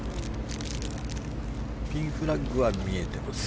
ピンフラッグは見えています。